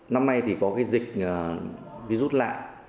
năm nay thì có cái dịch virus lạ